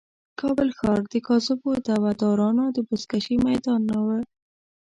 کابل ښار د کاذبو دعوه دارانو د بزکشې میدان نه و.